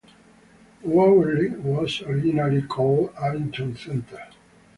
Waverly was originally called Abington Center.